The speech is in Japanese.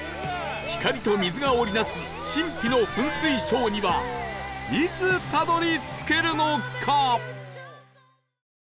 光と水が織り成す神秘の噴水ショーにはいつたどり着けるのか？